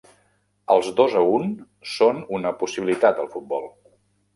Els dos a un són una possibilitat al futbol.